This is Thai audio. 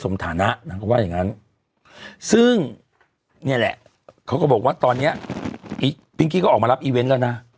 ซึ่งแหละเขาบอกว่าตอนเนี้ยออกมารับอีเวนท์แล้วนะ